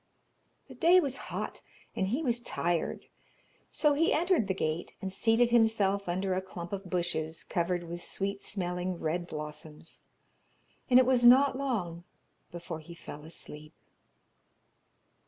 The day was hot, and he was tired, so he entered the gate, and seated himself under a clump of bushes covered with sweet smelling red blossoms, and it was not long before he fell asleep.